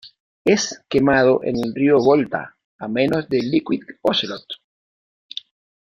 Es quemado en el Río Volta, a manos de Liquid Ocelot.